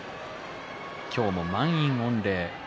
今日も満員御礼。